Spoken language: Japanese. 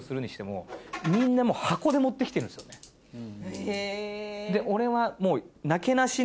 へぇ。